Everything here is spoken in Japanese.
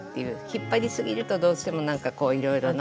引っ張りすぎるとどうしてもなんかこういろいろなっちゃうんで。